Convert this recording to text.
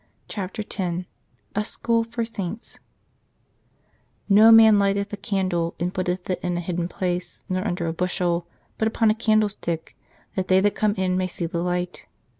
CHAPTER X A SCHOOL FOR SAINTS " No man lighteth a candle, and putteth it in a hidden place, nor under a bushel : but upon a candlestick, that they that come in may see the light.